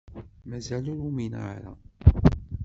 Mazal ur umineɣ ara.